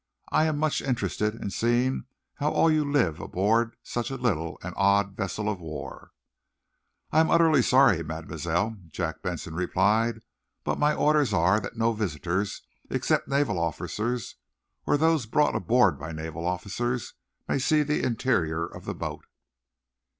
I am much interested in seeing how you all live aboard such a little and odd vessel of war." "I am utterly sorry, Mademoiselle," Jack Benson replied. "But my orders are that no visitors except naval officers, or those brought aboard by naval officers, may see the interior of the boat."